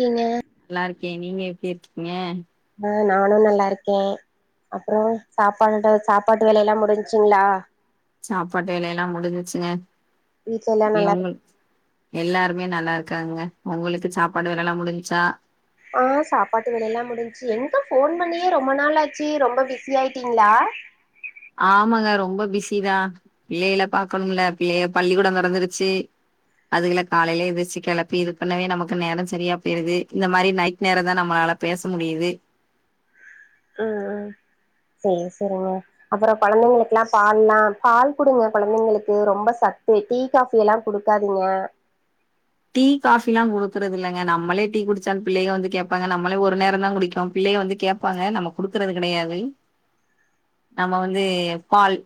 கீங்க நல்லா இருக்கே நீங்க எப்டி இருக்கீங்க ஆ நானு நல்லா இருக்கே அப்ரோ சாப்பாடு சாப்பாட்டு வேலைய எல்லா முடிஞ்ச்சிங்களா சாப்பாட்டு வேலைய எல்லா முடிஞ்சிச்சுங்க வீட்ல எல்லா நல்லா இரு இவுங்ளுக் எல்லாருமே நல்லா இருக்காங்க உங்களுக்கு சாப்பாடு வேல எல்லா முடிஞ்ச்சா ஆ சாப்பாட்டு வேளைய எல்லா முடிஞ்ச்சு எங்க போன் பண்ணியே ரொம்ப நாளாச்சு ரொம்ப பிஸி ஆயிட்டீங்ளா ஆமாங்க ரொம்ப பிஸிதா பிள்ளையல்ல பாக்கணும்ல பிள்ளைய பள்ளிக்குடோ தொரந்துருச்சு அதுகல காலையில எந்திர்ச்சு கெளப்பி இது பண்ணவே நமக்கு நேரம் சரியா போயிது இந்த மாரி நைட் நேரந்தா நம்ம நாள பேச முடியுது ம் ம் சேர் சேரிங்க அப்புறோ பழக்னோங்குளா பால்லா பால் குடுங்க கொழந்தைங்களுக்கு ரொம்ப சத்து டீ காஃபி எல்லா கிடுக்காதீங்க டீ காஃபிலா குடுக்கறது இல்லங்க நமளே டீ குடிச்சால் பிள்ளை வந்து கேப்பாங்க நமளே ஒரு நேரோந்தா குடிக்குறோ பிள்ளை வந்து கேப் ப்பாங்க நம்ம குடுக்கறது கெடையாது நம்ம வந்து பால்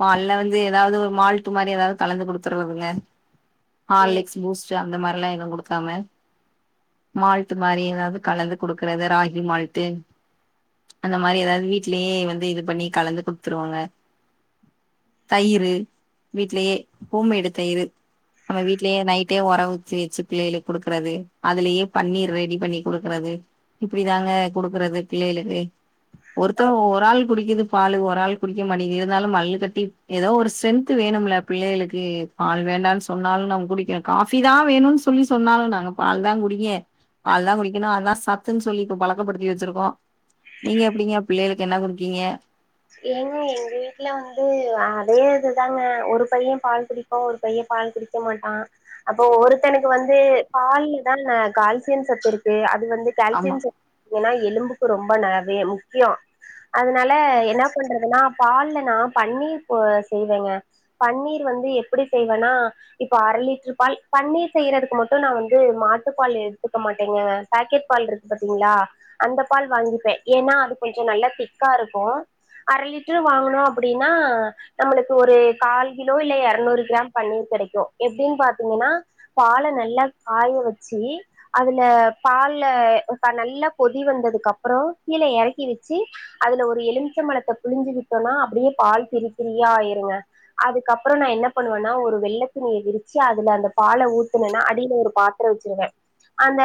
பால்ல வந்து எதாவ்து ஒரு மால்ட்டு மாரி எதாவ்து கலந்து குடுத்துருதுங்க ம் ஹார்லிக்ஸ் பூஸ்ட் அந்த மாரிலா எது குடுக்காம மால்ட் மாரி எதாவ்து கலந்து குடுக்குறது ராகி மால்ட்டு அந்த மாதிரி எதாது வீட்லயே வந்து இது பண்ணி கலந்து குடுத்துருவோங்க தயிரு வீட்லயே ஹோம்மேடு தயிரு நம்ம வீட்லயே நைட் டே ஒர ஊத்தி வெச்சு பிள்ளையலுக் குடுக்குறது அதுலயே பன்னீர் ரெடி பண்ணி குடுக்குறது இப்பிடிதாங்க குடுக்குறது பிள்ளையளுக்கு ஆ ஒருத்தர் ஒரு ஆள் குடிக்குது பாலு ஒரு ஆள் குடிக்கமாட்டிகிது இருந்தாலு மல்லு கட்டி எதோ ஒரு ஸ்ட்ரென்த் வேணும்ல புள்ளைகளுக்கு பால் வேண்டான் சொன்னாலு நம்ம குடிக்கிறே காஃபிதா வேணுன் சொல்லி சொன்னாலு நாங்க பால்தா குடிப்ப அதுதா குடிக்கணு அத்தா சத்துன் சொல்லி இப்போ பழக்கப்படுத்தி வெச்சிருக்கோ நீங்க எப்டிங்க பிள்ளைகளுக்கு என்ன குடுக்கீங்க ஏங்க எங்க வீட்ல வந்து அதே இதுதாங்க ஒரு பைய பால் குடிக் ஒரு பைய பால் குடிக்க மாட்டா அப்போ ஒருத்தனுக்கு வந்து பால்லதா கால்சியன் சத்து இருக்கு அது வந்து ஆமா கால்சியன் சத் எனா எலும்புக்கு ரொம்ப நறைய முக்கியோ அதனால என்ன பண்றதுன்னா பால்ல நா பன்னீர் செய்வேங்க பன்னீர் வந்து எப்டி செய்வேனா இப்ப அர லிட்ரு பால் பன்னீர் செய்யறதுக்கு மட்டு நா வந்து மாட்டு பால் எடுத்துக்க மாட்டேங்க பாக்கெட் பால் இருக்கு பாத்தீங்களா அந்த பால் வாங்கிப்பே எனா அது கொஞ்சோ நல்லா திக்கா இருக்கு அர லிட்டரு வாங்கனோ அப்டினா நம்மளுக்கு ஒரு கால் கிலோ இல்ல எரநூறு கிராம் பன்னீர் கெடைக்கு எப்டின் பாத்திங்கனா பால நல்லா காய வெச்சு அதுல பால்ல நல்லா கொதி வந்ததுக் அப்பறோ கீழ எறக்கி வெச்சு அதுல ஒரு எலுமிச்சம்பழத்த புழிஞ்சுவிட்டோனா அப்புடியே பால் திரி திரியா ஆய்ருங்க அதுக்கப்புறோ நா என்ன பண்ணுவேன்னா ஒரு வெள்ளத்துண்ணிய விரிச்சு அதுல அந்த பால ஊத்தனன்னா அடில ஒரு பாத் பாத்தரோ வெச்சுருவே அந்த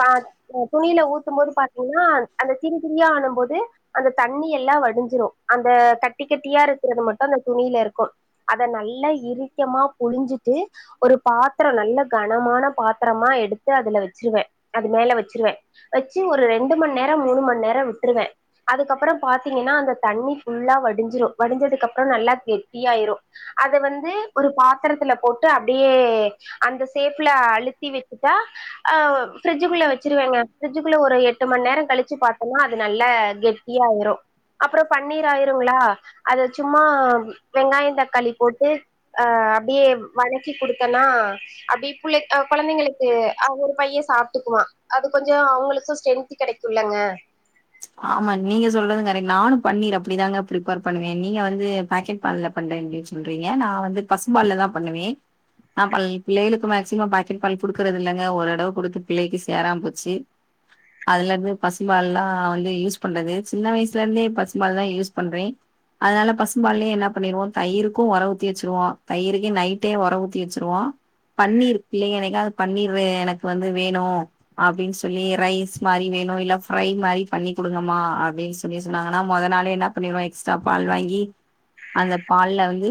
பாத் அ துணில ஊத்தும்போது பாத்தீங்கன்னா அந்த திரி திரியா ஆனும்போது அந்த தண்ணி துணி எல்லா வடிஞ்சிரு அந்த கட்டி கட்டியா இருக்கிறது மட்டு அந்த துணில இருக்கு அத நல்லா இரிக்கமா புழிஞ்சுட்டு ஒரு பாத்தரோ நல்ல கனமான பாத்தரமா எடுத்து அதுல வெச்சிருவே அது மேல வெச்சிருவே வெச்சு ஒரு ரெண்டு மண்நேரோ மூணு மண்நேரோ விட்ருவே அதுக்கப்பறோ பாத்தீங்கன்னா அந்த தண்ணி ஃபுல்லா வடிஞ்சிரு வடிஞ்சதுக்கு அப்புறோ நல்லா கெட்டியாய்ரு அத வந்து ஒரு பாத்தரத்துல போட்டு அப்டியே அந்த சேப்ல அழுத்தி வெச்சுட்டா ஆ ஃப்ரிட்ஜுகுள்ள வெச்சிருவேங்க ஃப்ரிட்ஜுக்குள்ள ஒரு எட்டு மண்நேரோ கழிச்சு பாத்தோன்னா அது நல்லா கெட் டியாய்ரு அப்புறோ பன்னீர் ஆய்ருங்ளா அத சும்மா வெங்காயோ தக்காளி போட்டு அ அப்டியே வனக்கி குடுத்தேன்னா அப்டி புள்ளைக் ஆ கொழந்தைங்களுக்கு ஆ ஒரு பைய சாப்ட்டுக்குவா அது கொஞ்சோ அவுங்களுக்கு ஸ்ட்ரென்த்து கெடைக்குல்லங்க ஆமா நீங்க சொல்றது கரெக்ட் நானு பன்னிர் அப்டிதாங்க பிரிப்பேர் பண்ணுவே நீங்க வந்து பாக்கெட் பால்ல பண்றிங்கன்னு சொல்றீங்க நா வந்து பசுபால்லதான் பண்ணுவேன் ஆ பிள்ளைகளுக்கு மேக்சிமம் பாக்கெட் பால் குடுக்குறது இல்லங்க ஒருதடவ குடுத்து பிள்ளைக்கு சேராம போச்சு அதுல இருந்து பசும்பால்லாம் நான் வந்து யூஸ் பண்றது சின்ன வயசுல இருந்தே பசுபால் தான் யூஸ் பண்றேன் அதனால பசும்பால்லயே என்ன பண்ணிருவோம் தயிருக்கும் ஒர ஊத்தி வச்சுருவோம் தயிருக்கு நைட்டே ஒர ஊத்தி வச்சுருவோம். பன்னீர் பிள்ளைங்க என்னைக்காவது பன்னீர் எனக்கு வந்து வேணும் அப்டின்னு சொல்லி ரைஸ் மாரி வேணும் இல்ல ஃப்ரை மாரி பண்ணி குடுங்கமா அப்டின்னு சொல்லி சொன்னாங்கன்னா முதல் நாளே என்ன பண்ணிருவோம் எக்ஸ்ட்ரா பால் வாங்கி அந்த பால்ல வந்து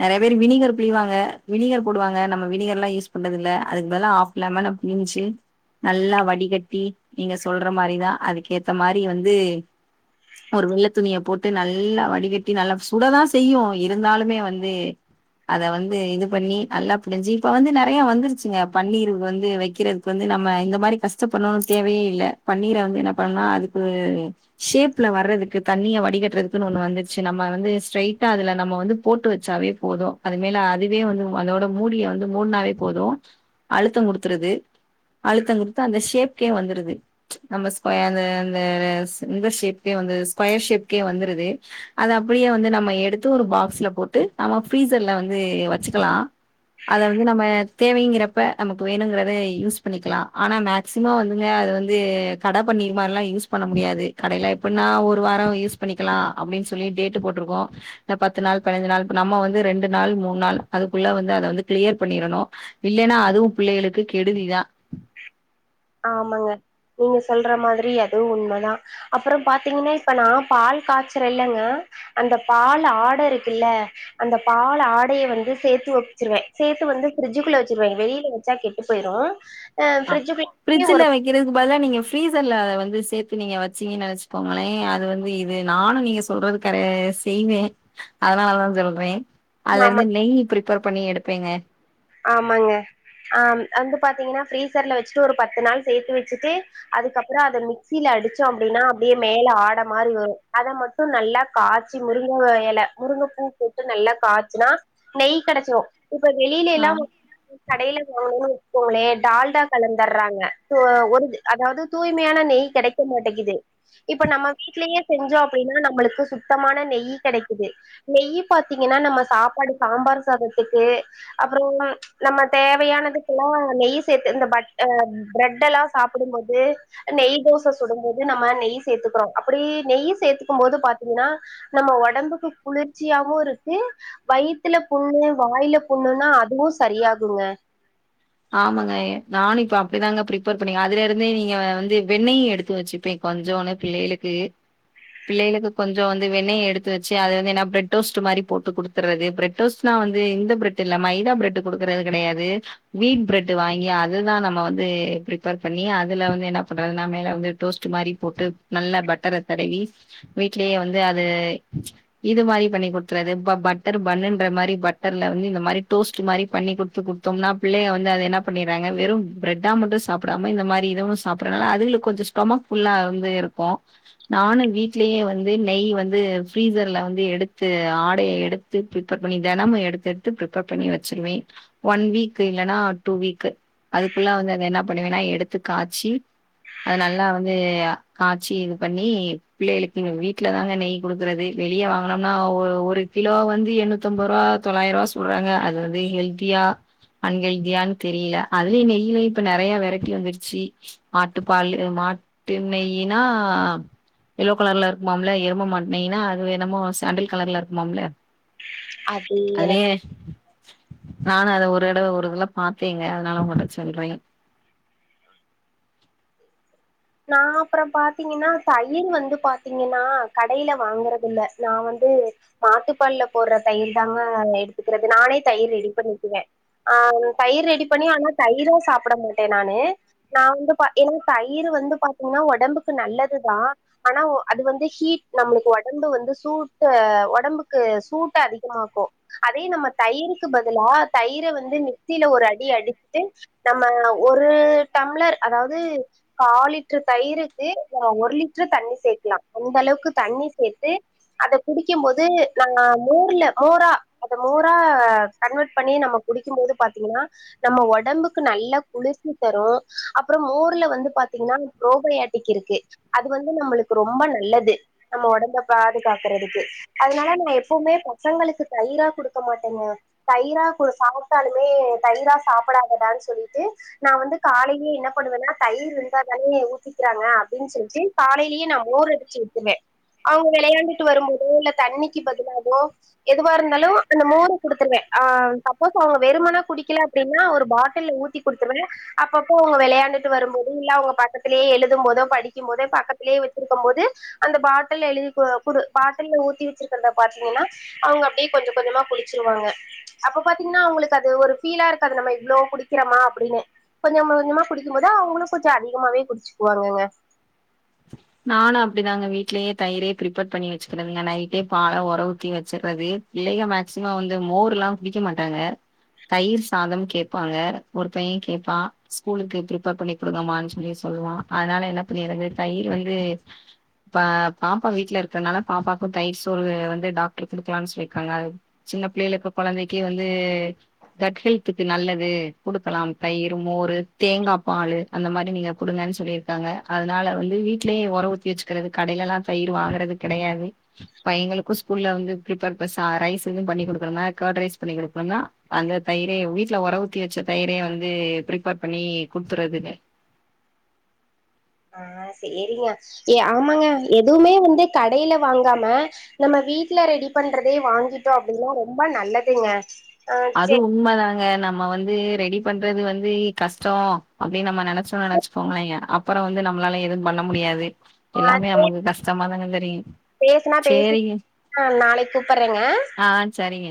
நறைய பேர் வினீகர் புழிவாங்க வினீகர் போடுவாங்க நம்ம வினிகர் எல்லாம் யூஸ் பண்றது இல்ல அதுக்கு பதிலா ஆப் லெமன்ன புழிஞ்சு நல்லா வடிகட்டி நீங்க சொல்ற மாரிதான் அதுக்கேத் த மாரி வந்து ஒரு வெள்ளை துணிய போட்டு நல்லா வடிகட்டி நல்லா சுடதான் செய்யும் இருந்தாலுமே வந்து அத வந்து இது பண்ணி நல்லா புழிஞ்சு இப்ப வந்து நறைய வந்துருச்சுங்க பன்னீர் வந்து வைக்கிறது வந்து நம்ம இந்த மாரி கஷ்டப்படும்னு தேவையே இல்ல பண்ணிற வந்து என்ன பண்னுனா அதுக்கு ஷேப்ல வர்றதுக்கு தண்ணிய வடிகட்டுறதுக்குன்னு ஒண்ணு வந்துருச்சு நம்ம வந்து ஸ்ட்ரைட்டா அதுல நம்ம வந்து போட்டு வச்சாவே போதும் அது மேல அதுவே வந்து அதோட மூடிய வந்து மூடினாவே போதும் அழுத்தம் குடுத்துறுது அழுத்தம் குடுத்தா அந்த ஷேப்கே வந்துடுது நம்ம ஸ்கொயரு அ இந்த ஷேப்கே வந்துருது ஸ்கொயர் ஷேப்கே வந்துருது அது அப்டியே வந்து நம்ம எடுத்து ஒரு பாக்ஸ்ல போட்டு நம்ம ஃப்ரீசர்ல வந்து வச்சுக்கலாம் அத வந்து நம்ம தேவைங்கிறப்ப நமக்கு வேணுங்கிறத யூஸ் பண்ணிக்கலா ஆனா மே க்சிமம் வந்துங்க அது வந்து கடை பன்னீர் மாரில்லாம் யூஸ் பண்ண முடியாது கடைல எப்டின்னா ஒரு வாரோம் யூஸ் பண்ணிக்கலாம் அப்படின்னு சொல்லி டேட்டு போட்டிருக்கோம் இந்த பத்து நாள் பதினைந்து நாள் நம்ம ரெண்டு நாள் மூணு நாள் அதுக்குள்ள வந்து அத வந்து கிளியர் பண்ணிடனும் இல்லைன்னா அதுவும் பிள்ளைகளுக்கு கெடுதிதான் ஆமாங்க நீங்க சொல்ற மாதிரி அதுவும் உண்மைதான் அப்பறம் பாத்தீங்கன்னா இப்ப நான் பால் காய்ச்சற இல்லைங்க அந்த பால் ஆட இருக்குல்ல அந்த பால் ஆடையை வந்து சேத்து வைச்சிருவேன் சேத்து வந்து பிரிட்ஜிக்குள்ள வச்சிருவேன் வெளியில வச்சா கெ போயிரும் ஆ ஃப்ரிட்ஜு குல்ல பிரிஜ்ல வைக்கிறதுக்கு பதிலா நீங்க ஃபீசர்ல அத வந்து சேர்த்து நீங்க வச்சீங்க வைச்சுப்போங்களேன் அது வந்து நானும் நீங்க சொல்றது க செய்வேன் அதனாலதான் சொல்றேன் அதுல ஆமா இருந்து நெய் ப்ரிப்பேர் பண்ணி எடுப்பேங்க ஆமாங்க ஆ வந்து பாத்தீங்கன்னா ஃபிரீசர்ல வச்சுட்டு ஒரு பத்து நாள் சேர்த்து வச்சுட்டு அதுக்கப்பறம் அத மிக்சில அடிச்சோம் அப்டின்னா அப்டியே மேல ஆட மாரி வரும் அத மட் டும் நல்லா காய்ச்சி முருங்கை இலை முருங்கை பூ போட்டு நல்லா காய்ச்சுனா நெய் கெடச்சிடும் இப்ப வெளியிலல்லாம் கீல கடையில வாங்கனுன்னு போனே டால்டா கலந்துடுறாங்க ஒரு அதாவது தூய்மையான நெய் கிடை க்க மாட்டேங்கிது இப்ப நம்ம வீட்லயே செஞ்சோம் அப்டின்னா நம்மளுக்கு சுத்தமான நெய் கிடைக்குது நெய் பாத்தீங்கன்னா நம்ம சாப்பாடு சாம்பார் சாதத்துக்கு அப்பறோ நம்ம தேவையானதுக்கெல்லாம் நெய் சேர்த்து இந்த பட் பிரெட் எல்லாம் சாப்டும் போது நெய் தோசை சுடும்போது நம்ம நெய் சேர்த்துக்கிறோம் அப்டி நெய் சேர்த்துக்கும் போது பாத்தீங்கன்னா நம்ம உடம்புக்கு குளிர்ச்சியாவும் இருக்கு வயித்துல புண்ணு வாயில புண்ணுன்னா அ இதுவு சரியாகுங்க ஆமாங்க எ நானு இப்ப அப்டிதாங்க பிரிப்பேர் பண்ணேங்க அதுலருந்தே நீங்க வந்து வெண்ணெயு எடுத்து வெச்சுப்பீங் கொஞ்சோனு பிள்ளைகளுக்கு பிள்ளைகளுக்கு கொஞ்ச வந்து வெண்ணைய எடுத்து வெச்சு அதுல வந்து ஏனா ப்ரெட் ரோஸ்ட்டு மாரி போட்டு குடுத் தந்துள்ளது பிரட்டோஸ்னா வந்து இந்த பிரெட்டு இல்ல மைதா பிரெட்டு குடுக்கிறது கெடையாது வீட் பிரெட்டு வாங்கி அதுதா நம்ம வந்து பிரிப்பேர் பண்ணி அதுல வந்து என்ன பண்றதுனா மேல வந்து டோஸ்ட்டு மாரி போட்டு நல்லங பட்டரத் தடவி வீட்லயே வந்து அது இது மாரி பண்ணி குடுத்துட்றது ப பட்டர் பண்ணுன்ற மாரி பட்டர்ல வந்து இந்த மாரி டோஸ்ட்டு மாரி பண்ணிக்குட்த் து குடுத்தம்னா பிள்ளைய வந்து அத என்ன பண்ணிட்றாங்க வெறும் பிரெட்டா மட்டு சாப்டாம இந்த மாரி இதுவு சாப்புட்றனால அதுகளுக்கு கொஞ்ச ஸ்டொமக் ஃபுல்லா வந்து இருக்கு நானு வீட்லயே வந்து நெய் வந்து ஃப்ரீசர்ல வந்து எடுத்து ஆடைய எடுத் த்து பிரிப்பர் பண்ணி தெனமு எடுத்தெடுத்து பிரிப்பர் பண்ணி வச்சிருவே ஒன் வீக் கு இல்லனா டூ வீக்கு அதுக்குள்ள வந்து அத என்ன பண்ணுவேனா எடுத்து காய்ச்சி அத நல்லா வந்து அ காய்ச்சி இது பண்ணி பிள்ளைகளுக்கு வீட்ல தாங்க நெய் குடுக்குறது வெளிய வாங்குனம்னா ஒ ஒரு கிலோ வந்து எண்ணூத்தம்போரூவா தொளாயிர்ரூவா சொ சொல்றாங்க அது வந்து ஹெல்த்தியா அன் ஹெல்த்தியானு தெரியல அதுலயு நெய்யிலயு இப்ப நெறையா வெரைட்டி வந்துருச்சு ஆட்டுப்பாலு மாட்டு நெய்யினா எல்லோ கலர்ல இருக்குமாம்ல எருமா மாட்டு நெய்னா அது என்னமோ சாண்டில் கலர்ல இருக்குமாம்ல அது எனக்கு அதே நானு அத ஒர் தோட ஒரு இதல பாத்தேங்க அதனால உங்கள்ட்ட சொல்றே நா அப்பற பாத்தீங்கனா தயிரு வந்து பாத்தீங்கனா கடைல வாங்குறதில்ல நா வந்து மாட்டு பால்ல போட்ற தயிரு தாங்க எடுத்துக்கிறது நானே தயிர் ரெடி பண்ணிக்குவே ஆ தயிர் ரெடி பண்ணி ஆனா தயிரா சாப்ட மாட்டே நானு நா வந்து இப்ப ஏனா தயிரு வந்து பாத்தீங்கனா ஒடம்புக்கு நல்லதுதா ஆனா அது வந்து ஹீட் நம்மளுக்கு ஒடம்பு வந்து சூட்ட ஒடம்புக்கு சூட்ட அதிகமாக்கு அதே நம்ம தயிருக்கு பதுலா தயிர வந்து மிச்சில ஒரு அடி அடிச்சுட்டு நம்ம ஒரு டம்ளர் அதாவ்து காலிட் ட்ரு தயிருக்கு ஏ ஒரு லிட்ரு தண்ணி சேக்கலா அந்த அளவுக்கு தண்ணி சேத்து அத குடிக்கும் போது நா மோர்ல மோரா அத மோரா கன்வெர்ட் பண்ணி நம்ம குடிக்கும் போது பாத்தீங்கனா நம்ம ஒடம்புக்கு நல்லா குளிர்ச்சி தரு அப்பற மோர்ல வந்து பாத்தீங்னா ப்ரோபயாட்டிக் இருக்கு அது வந்து நம்மளுக்கு ரொம்ப நல்லது நம்ம ஒடம்ப பாதுகாக்குறதுக்கு அதுனால நா எப்பவுமே பசங்களுக்கு தயிரா குடுக்க மாட்டேங்க தயிரா குடு சாப்ட்டாலுமே தயிரா சாப்புடாதடான் சொல்லிட்டு நா வந்து காலைலயே என்ன பண்ணுவேனா தயிரு இருந்தாதானே ஊத்திக்கிறாங்க அப்டின் சொல்ட்டு காலைலயே நா மோர் அடிச்சு வித்துருவே அவுங்க வெளையாண்டுட்டு வரும்போதோ இல்ல தண்ணிக்கு பதிலாவோ எதுவா இருந்தாலு அந்த மோர குடுத்துருவே ஆ சப்போஸ் அவ்ங்க வெறுமன குடிக்கல அப்டினா ஒரு பாட்டில்ல ஊத்தி குடுத்துருவே அப்பப்போ அவ்ங்க வெளையாண்டுட்டு வரும்போது இல்ல அவ்ங்க பக்கத்து லே எழுதும் போதோ படிக்கும் போதோ பக்கத்துலயே வெச்சிருக்கும் போது அந்த பாட்டில்ல எழுதி கு குடு பாட்டில்ல ஊத்தி வெச்சிருக்கிறத பாத்தீங்கனா அவுங்க அப்டியே கொஞ்ச கொஞ்சமா குடிச்சிருவாங்க அப்ப பாத்திங்னா உங்களுக்கு அது ஒரு ஃபீலா இருக்காது நம்ம இவ்ள குடிக்கறமா அப்டின்னு கொஞ்ச கொஞ்சமா குடிக்கும் போது அவங்களு கொஞ்ச அதிகமாவே குடிச்சுக்குவாங்கங்க நானு அப்டிதாங்க வீட்லயே தயிரே பிரிப்பேர் பண்ணி வெச்சுக்றதுங்க நைட்டே பால ஒற ஊத்தி வெச்சர்றது பிள்ளைக மேக்சிம வந்து மோர்ல்லா குடிக்கமாட்டாங்க தயிர் சாதம் கேப்பாங்க ஒரு பைய கேப்பா ஸ்கூலுக்கு ப்ரிப்பேர் பண்ணி குடுங்கமான் சொல்லி சொல்வா அதனால என்ன பண்ணிர்றது தயிர் வந்து இப்ப பாப்பா வீட்ல இருக்கனால பாப்பாவுக்கு தயிர் சோறு வந்து டாக்ட்ரு குடுக்கலானு சொல்லிக்காங்க சின்ன பிள்ளையில இப்ப கொழந்தைக்கு வந்து கட் ஹெல்த்துக்கு நல்லது குடுக்கலாம் தயிரு மோரு தேங்காப்பாலு அந்த மாரி நீங்க குடுங்கன் சொல்லிருக்காங்க அதனால வந் து வீட்லயே ஒற ஊத்தி வெச்சுக்கிறது கடைலெல்லா தயிர் வாங்கறது கெடையாது பயங்களுக்கு ஸ்கூல்ல வந்து ப்ரிப்பேர் ப ச ரைஸ் எதுவு பண்ணி குடுக்கணுனா கர்ட் ரைஸ் பண்ணி குடுக்கணுனா அந்த தயிரே வீட்ல ஒற ஊத்தி வெச்ச தயிரே வந்து ப்ரிப்பேர் பண்ணி குடுத்தறதுங்க ஆ சேரிங்க ஏ ஆமாங்க எதுமே வந்து கடைல வாங்காம நம்ம வீட்ல ரெடி பண்றதே வாங்கிட்டோ அப்டின்னா ரொம்ப நல்லதுங்க ஆ அது சேரி உண்ம தாங்க நம்ம வந்து ரெடி பண்றது வந்து கஷ்டோ அப்டின் நம்ம நென ச்சோன் வெச்சுக்கோங்களே அப்பற வந்து நம்மளால எது பண்ண முடியாது ஆ எல்லாமே சேரி நமக்கு கஷ் டமாதான தெரியு பேசுனா பேசி சேரிங்க ஆ நாளைக்கு கூப்பட்றேங்க ஆ சரிங்க